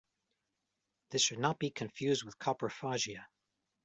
This should not be confused with coprophagia.